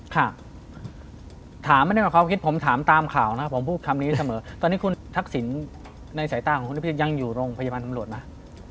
ค่ะถามไม่ได้ว่าความคิดผมถามตามข่าวนะผมพูดคำนี้เสมอตอนนี้คุณทักษิณในสายตาของคุณนิพิษยังอยู่โรงพยาบาลตำรวจไหม